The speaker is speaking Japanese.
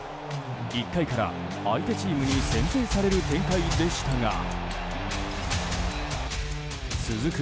１回から、相手チームに先制される展開でしたが続く